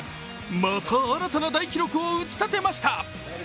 また新たな大記録を打ち立てました。